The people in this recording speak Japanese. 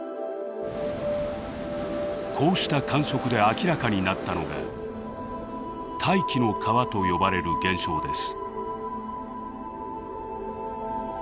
こうした観測で明らかになったのが「大気の川」と呼ばれる現象です。